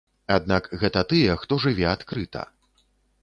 Аднак гэта тыя, хто жыве адкрыта.